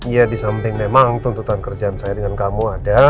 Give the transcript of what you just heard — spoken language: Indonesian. ya di samping memang tuntutan kerjaan saya dengan kamu ada